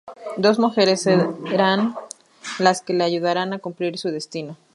Dos mujeres serán las que le ayudarán a cumplir su destino.